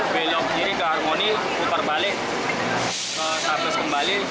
belok kiri ke harmoni kupar balik ke sabes kembali